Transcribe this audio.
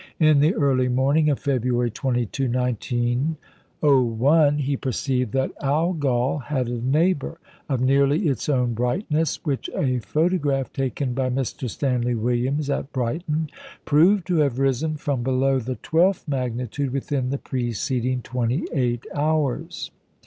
In the early morning of February 22, 1901, he perceived that Algol had a neighbour of nearly its own brightness, which a photograph taken by Mr. Stanley Williams, at Brighton, proved to have risen from below the twelfth magnitude within the preceding 28 hours.